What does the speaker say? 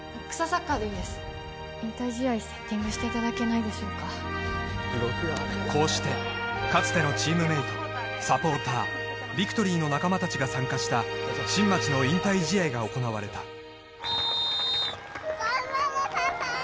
サッカーでいいんです引退試合セッティングしていただけないでしょうかこうしてかつてのチームメイトサポータービクトリーの仲間達が参加した新町の引退試合が行われた頑張れパパー！